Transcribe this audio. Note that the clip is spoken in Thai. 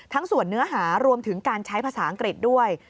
ส่วนเนื้อหารวมถึงการใช้ภาษาอังกฤษด้วย